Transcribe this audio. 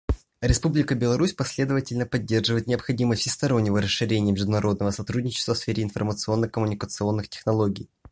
Республика Беларусь последовательно поддерживает необходимость всестороннего расширения международного сотрудничества в сфере информационно-коммуникационных технологий.